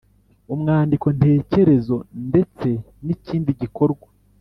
Umwandiko ntekerezo ndetse n’ikindi gikorwa